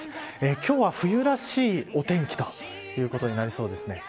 今日は冬らしいお天気ということになりそうです。